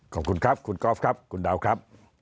ขอบคุณครับคุณกอล์ฟครับคุณดาวครับ